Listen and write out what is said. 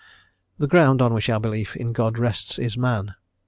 "* "The ground on which our belief in God rests is Man.